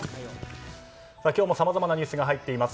今日もさまざまなニュースが入っています。